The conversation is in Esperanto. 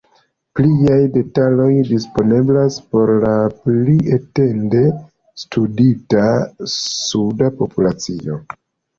Pliaj detaloj disponeblas por la pli etende studita suda populacio.